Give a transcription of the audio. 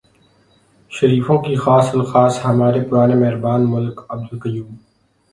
شریفوں کے خاص الخاص ہمارے پرانے مہربان ملک عبدالقیوم۔